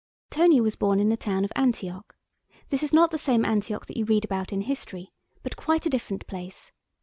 Tony was born in the town of Antioch. This is not the same Antioch that you read about in history, but quite a different place.